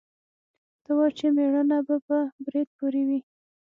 ته وا چې مېړانه به په برېت پورې وي.